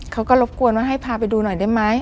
เขาก็รบกวนว่าให้พาไปดูหน่อยได้ไหม